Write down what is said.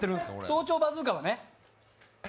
早朝バズーカはね。